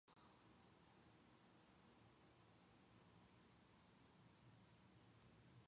Their vapor is found to be more tonic.